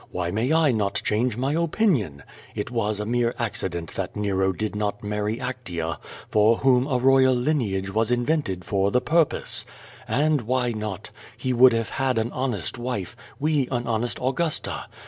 Why may I not change my opinion? It was a niere accident that Nero did not marry Ac tea, for whom a royal lineage was invented for the purpose. And why not? He would have had an honest wife, we an honest Augusta.